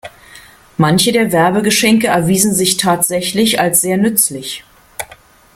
Manche der Werbegeschenke erwiesen sich tatsächlich als sehr nützlich.